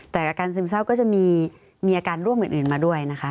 แต่อาการซึมเศร้าก็จะมีอาการร่วมอื่นมาด้วยนะคะ